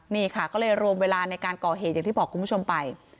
นี่ค่ะก็เลยรวมเวลาในการก่อเหตุอย่างที่บอกคุณผู้ชมไป